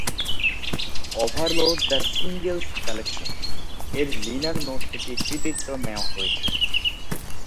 "Overload: the singles collection" এর liner note থেকে কৃতিত্ব নেয়া হয়েছে।